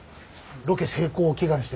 ロケ成功を祈願して。